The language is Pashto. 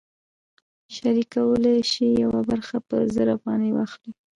شریک کولی شي یوه برخه په زر افغانۍ واخلي